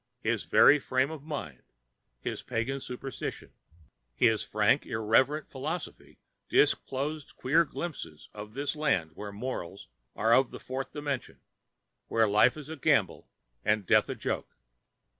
His very frame of mind, his pagan superstition, his frank, irreverent philosophy, disclosed queer glimpses of this land where morals are of the fourth dimension, where life is a gamble and death a joke.